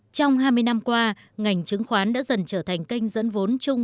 trong hai mươi năm qua ngành chứng khoán đã dần trở thành kênh dẫn vốn chung